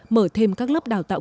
mở thêm các lớp đào tạo